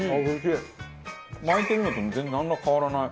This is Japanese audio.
巻いてるのとなんら変わらない。